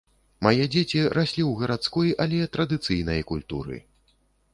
Мае дзеці раслі ў гарадской, але традыцыйнай культуры.